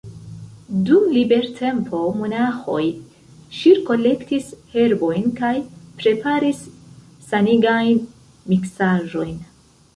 Dum libertempo monaĥoj ŝirkolektis herbojn kaj preparis sanigajn miksaĵojn.